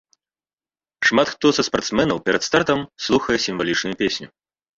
Шмат хто са спартсменаў перад стартам слухае сімвалічную песню.